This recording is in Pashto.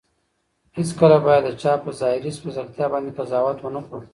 هیڅکله باید د چا په ظاهري سپېڅلتیا باندې قضاوت ونه کړو.